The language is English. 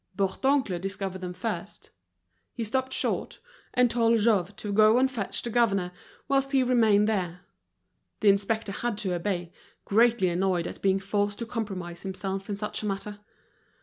Bourdoncle discovered them first. He stopped short, and told Jouve to go and fetch the governor, whilst he remained there. The inspector had to obey, greatly annoyed at being forced to compromise himself in such a matter.